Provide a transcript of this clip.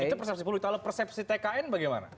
itu persepsi politik kalau persepsi tkn bagaimana